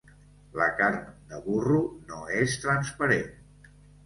La carn de burro no és transparent.